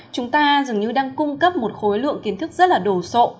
chúng ta dường như đang cung cấp một khối lượng kiến thức rất là đồ sộ